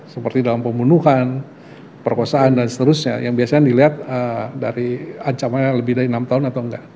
seperti dalam pembunuhan perkosaan dan seterusnya yang biasanya dilihat dari ancamannya lebih dari enam tahun atau enggak